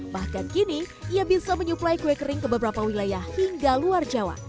bahkan kini ia bisa menyuplai kue kering ke beberapa wilayah hingga luar jawa